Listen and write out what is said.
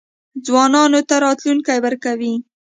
ځوانانو ته راتلونکی ورکوي.